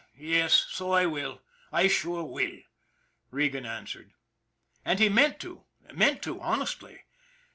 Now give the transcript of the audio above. " H'm, yes. So I will. I sure will," Regan answered. And he meant to, meant to, honestly.